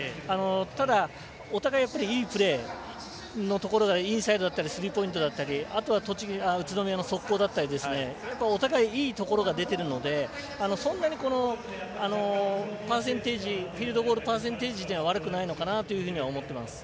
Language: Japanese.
ただ、お互いいいプレーのところでインサイドだったりスリーポイントだったりあとは宇都宮の速攻だったりお互い、いいところが出ているのでそんなにフィールドゴールパーセンテージというのは悪くないのかなというふうには思っています。